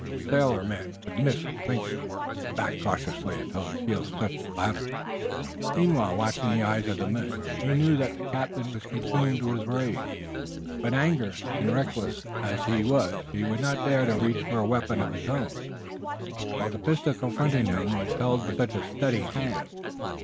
A sailor man would miss his fingers." He backed cautiously until his heels touched the ladder, meanwhile watching the eyes of the man. He knew that the captain was consumed with rage, but angry and reckless as he was he would not dare to reach for a weapon of his own, while the pistol confronting him was held with such a steady hand.